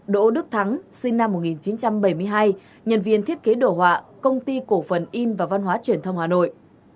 đỗ đức thắng sinh năm một nghìn chín trăm bảy mươi hai nhân viên thiết kế đồ họa công ty cổ phần in và văn hóa truyền thông hà nội